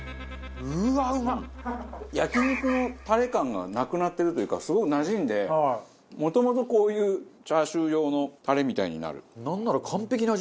焼肉のタレ感がなくなってるというかすごくなじんでもともとこういうチャーシュー用のタレみたいになる。